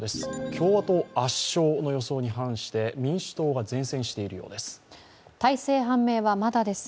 共和党圧勝の予想に反して民主党が善戦しているようです。